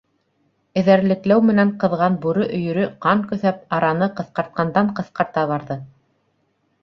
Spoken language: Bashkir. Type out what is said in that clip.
Эҙәрлекләү менән ҡыҙған бүре өйөрө ҡан көҫәп, араны ҡыҫҡартҡандан-ҡыҫҡарта барҙы.